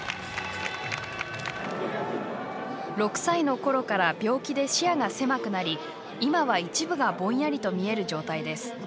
６歳のころから病気で視野が狭くなり今は一部がぼんやりと見える状態です。